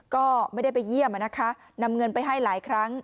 ก็ไม่ได้ไปเยี่ยมนะคะนำเงินไปให้หลายครั้ง